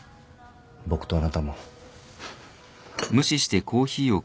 僕とあなたも。